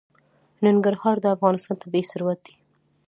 ننګرهار د افغانستان طبعي ثروت دی.